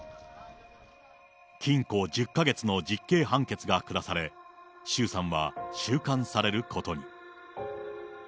禁錮１０か月の実刑判決が下され、周さんは収監されることに。